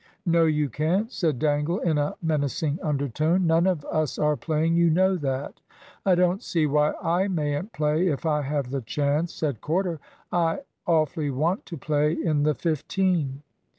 "No, you can't," said Dangle in a menacing undertone. "None of us are playing; you know that." "I don't see why I mayn't play if I have the chance," said Corder. "I awfully want to play in the fifteen."